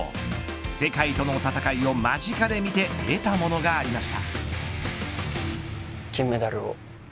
世界との戦いを間近で見て得たものがありました。